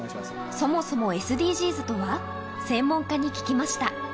そもそもＳＤＧｓとは、専門家に聞きました。